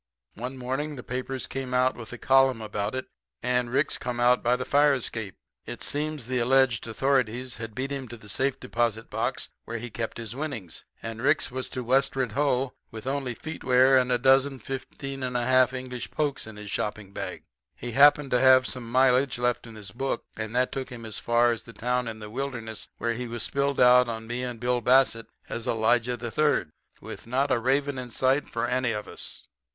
One morning the papers came out with a column about it, and Ricks come out by the fire escape. It seems the alleged authorities had beat him to the safe deposit box where he kept his winnings, and Ricks has to westward ho! with only feetwear and a dozen 15 and a half English pokes in his shopping bag. He happened to have some mileage left in his book, and that took him as far as the town in the wilderness where he was spilled out on me and Bill Bassett as Elijah III. with not a raven in sight for any of us.